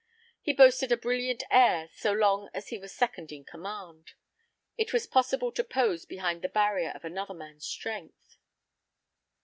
He boasted a brilliant air so long as he was second in command. It was possible to pose behind the barrier of another man's strength.